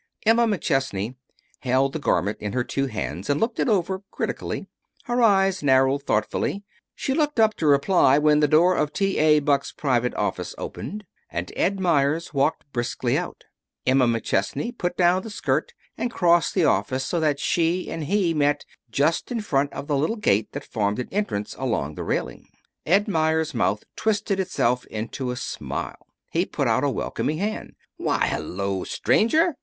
Emma McChesney held the garment in her two hands and looked it over critically. Her eyes narrowed thoughtfully. She looked up to reply when the door of T. A. Buck's private office opened, and Ed Meyers walked briskly out. Emma McChesney put down the skirt and crossed the office so that she and he met just in front of the little gate that formed an entrance along the railing. Ed Meyers' mouth twisted itself into a smile. He put out a welcoming hand. "Why, hello, stranger!